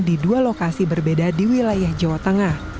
di dua lokasi berbeda di wilayah jawa tengah